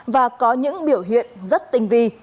và có những biểu hiện rất tinh vi